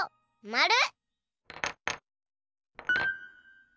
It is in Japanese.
まる。